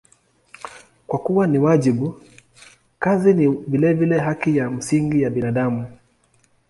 Kwa kuwa ni wajibu, kazi ni vilevile haki ya msingi ya binadamu.